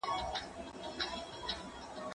زه به سبا موبایل کار کړم!؟